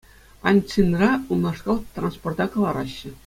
Аньцинра унашкал транспорта кӑлараҫҫӗ.